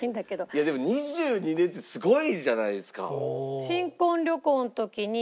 いやでも２２年ってすごいじゃないですか。